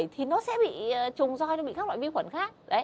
thì nó sẽ bị trùng roi nó bị các loại vi khuẩn khác